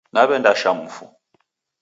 Naw'endasha mufu